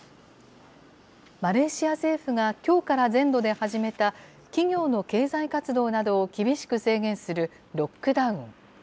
マレーシア政府がきょうから全土で始めた企業の経済活動などを厳しく制限するロックダウン。